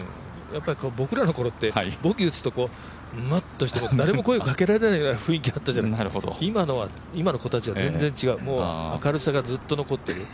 僕らの頃ってボギー打つとむっとして何も声をかけられない雰囲気あったじゃない、今の子たちは全然違う、明るさがずっと残ってる。